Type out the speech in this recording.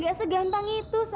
gak segampang itu sat